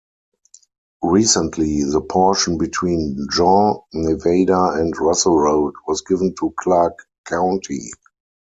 Recently, the portion between Jean, Nevada and Russell Road was given to Clark County.